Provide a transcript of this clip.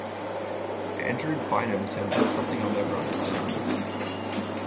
Andrew Bynum said That's something I'll never understand.